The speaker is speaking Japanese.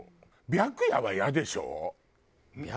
白夜はイヤでしょ？